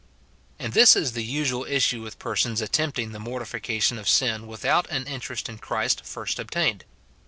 And this is the usual issue with persons attempting the mortification of sin without an interest in Christ first obtained.